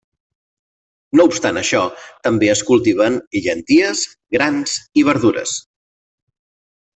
No obstant això, també es cultiven llenties, grans i verdures.